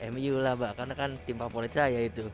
mu lah mbak karena kan tim favorit saya itu